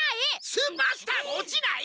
スーパースターも落ちない！